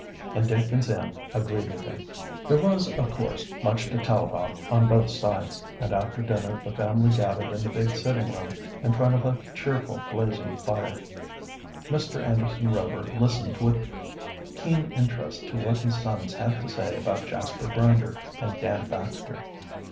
And Dick and Sam agreed with him. There was, of course, much to tell about on both sides, and after dinner the family gathered in the big sitting room, in front of a cheerful, blazing fire. Mr. Anderson Rover listened with keen interest to what his sons had to say about Jasper Grinder and Dan Baxter.